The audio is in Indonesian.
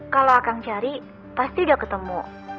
kalau akang cari pasti udah ketemu